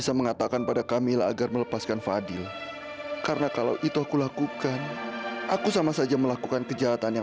sampai jumpa di video selanjutnya